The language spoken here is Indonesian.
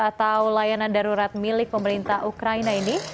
atau layanan darurat milik pemerintah ukraina ini